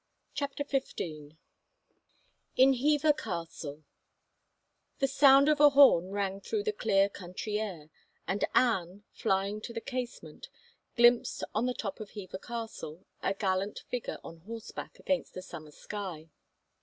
CHAPTER XV IN HEVER CASTLE ^^^^^H£ sound of a horn rang through the clear M C^ country air, and Anne, flying to the casement, ^^^^ glimpsed on the top of Hever Hill, a gallant figure on horseback against the summer sky.